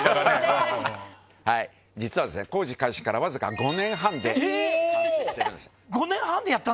実はですね蟬呂わずか５年半で完成してるんです。